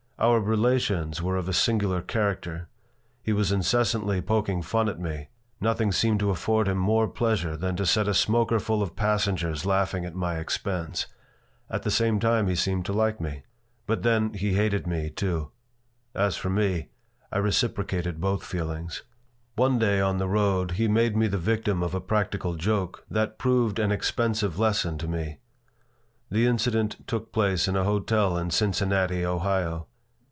Our relations were of a singular character. He was incessantly poking fun at me; nothing seemed to afford him more pleasure than to set a smokerful of passengers laughing at my expense. At the same time he seemed to like me. But then he hated me, too. As for me, I reciprocated both feelings One day, on the road, he made me the victim of a practical joke that proved an expensive lesson to me. The incident took place in a hotel in Cincinnati, Ohio.